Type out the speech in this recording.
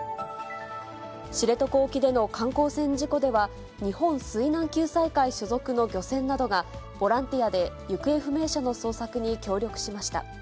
知床沖での観光船事故では、日本水難救済会所属の漁船などが、ボランティアで行方不明者の捜索に協力しました。